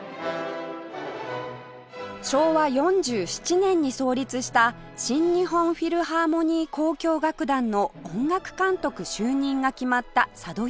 昭和４７年に創立した新日本フィルハーモニー交響楽団の音楽監督就任が決まった佐渡裕さん